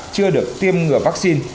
chưa được tiêm ngừa vaccine